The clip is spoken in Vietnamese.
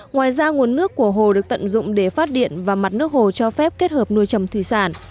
ngoài ra nguồn nước của hồ được tận dụng để phát điện và mặt nước hồ cho phép kết hợp nuôi trầm thủy sản